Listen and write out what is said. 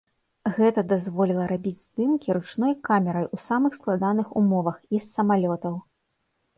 Гэта дазволіла рабіць здымкі ручной камерай у самых складаных умовах і з самалётаў.